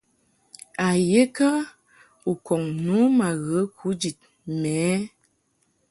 A ye kə u kɔŋ nu ma ghə kujid mɛ ɛ ?